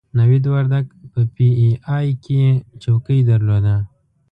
نوید وردګ په پي ای اې کې چوکۍ درلوده.